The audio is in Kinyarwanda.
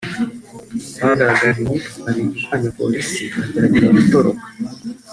bagaragaje imyitwarire irwanya abapolisi bagerageza gutoroka